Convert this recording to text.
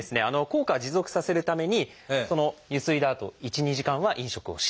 効果を持続させるためにゆすいだあと１２時間は飲食をしないと。